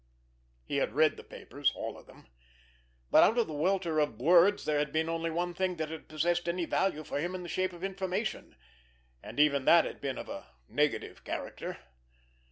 He had read the papers, all of them. But out of the welter of words there had been only one thing that had possessed any value for him in the shape of information, and even that had been of a negative character.